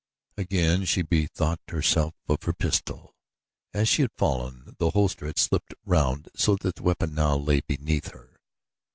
Again she bethought herself of her pistol. As she had fallen, the holster had slipped around so that the weapon now lay beneath her.